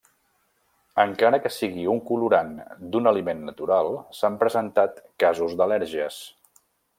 Encara que sigui un colorant d'un aliment natural s'han presentat casos d'al·lèrgies.